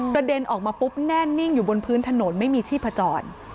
เด็นออกมาปุ๊บแน่นิ่งอยู่บนพื้นถนนไม่มีชีพจร